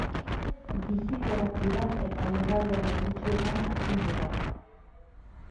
Bizikorrak dira eta lurralde menditsuetan hazten dira.